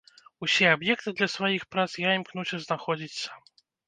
Усе аб'екты для сваіх прац я імкнуся знаходзіць сам.